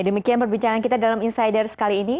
demikian perbicaraan kita dalam insider kali ini